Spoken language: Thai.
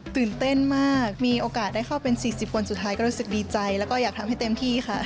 ตื่นเต้นมากมีโอกาสได้เข้าเป็น๔๐คนสุดท้ายก็รู้สึกดีใจแล้วก็อยากทำให้เต็มที่ค่ะ